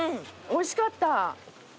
おいしかった。